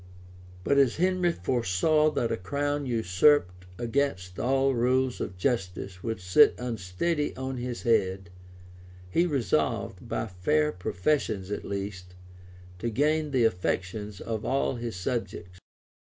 But as Henry foresaw that a crown usurped against all rules of justice would sit unsteady on his head, he resolved, by fair professions at least, to gain the affections of all his subjects.